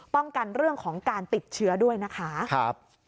ป้องกันเรื่องของการติดเชื้อด้วยนะคะ